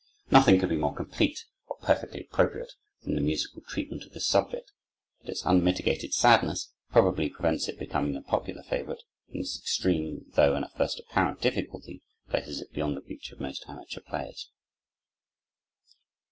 Nothing could be more complete or perfectly appropriate than the musical treatment of this subject; but its unmitigated sadness probably prevents its becoming a popular favorite; and its extreme, though not at first apparent, difficulty places it beyond the reach of most amateur players.